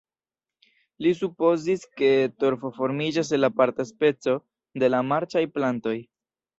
Li supozis ke torfo formiĝas el aparta speco de la marĉaj plantoj.